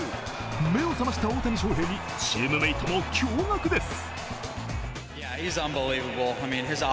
目を覚ました大谷翔平にチームメートも驚がくです。